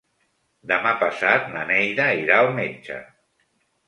Demà passat na Neida irà al metge.